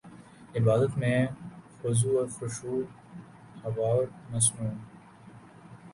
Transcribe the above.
عبادت میں خضوع وخشوع ہواور مسنون